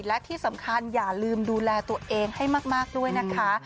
และที่สำคัญอย่าลืมดูแลตัวเองให้มากด้วยนะคะ